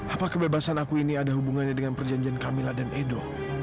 apa kebebasan aku ini ada hubungannya dengan perjanjian kamilla dan edo